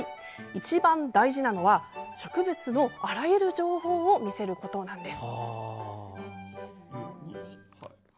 一番大事なのは植物のあらゆる情報を見せることなんです。